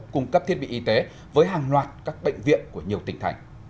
cung cấp thiết bị y tế với hàng loạt các bệnh viện của nhiều tỉnh thành